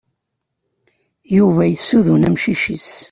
Yuba yessuden amcic-is.